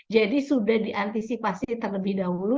jadi sudah diantisipasi terlebih dahulu